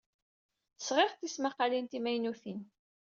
Sɣiɣ-d tismaqqalin timaynutin.